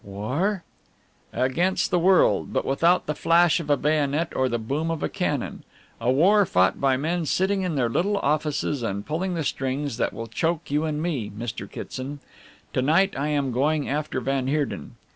"War?" "Against the world, but without the flash of a bayonet or the boom of a cannon. A war fought by men sitting in their little offices and pulling the strings that will choke you and me, Mr. Kitson. To night I am going after van Heerden.